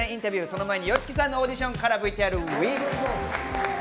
その前にＹＯＳＨＩＫＩさんのオーディションからＶＴＲＷＥ！